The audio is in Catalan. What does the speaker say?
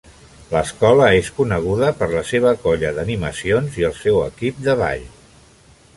L'escola es coneguda per la seva colla d'animacions i el seu equip de ball.